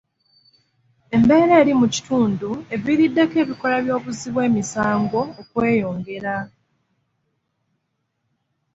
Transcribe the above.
Embeera eri mu kitundu eviiriddeko ebikolwa by'obuzzi bw'emisango okweyongera.